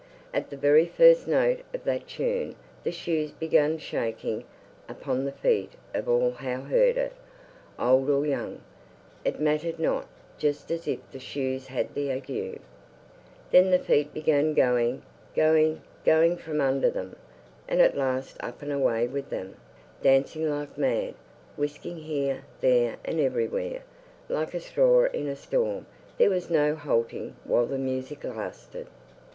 At the very first note of that tune the shoes began shaking upon the feet of all how heard it old or young, it mattered not just as if the shoes had the ague; then the feet began going, going, going from under them, and at last up and away with them, dancing like mad, whisking here, there, and everywhere, like a straw in a storm there was no halting while the music lasted.